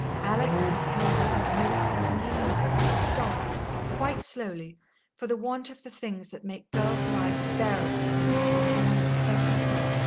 Alix and Hilda and Millicent and Eve and I will be starved, quite slowly, for the want of the things that make girls' lives bearable when they have been born in a certain class.